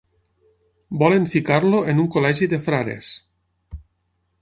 Volen ficar-lo en un col·legi de frares.